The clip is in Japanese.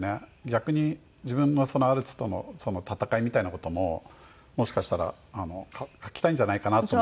逆に自分のアルツとの闘いみたいな事ももしかしたら書きたいんじゃないかなっていうのもあって。